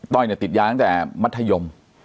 ้อยเนี่ยติดยาตั้งแต่มัธยม